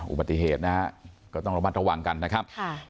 อุบัติเหตุก็ต้องระวังกันนะครับ